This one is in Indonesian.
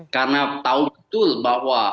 karena tahu betul bahwa